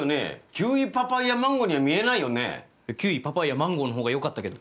キウイパパイヤマンゴーの方がよかったけど。